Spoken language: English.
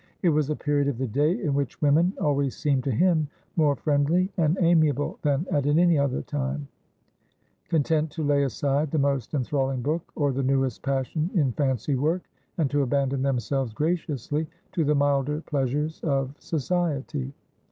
It was a period of the day in which women always seemed to him more friendly and amiable than at any other time — content to lay aside the most enthralling book, or the newest passion in fancy work, and to abandon themselves graciously to the milder pleasures of society.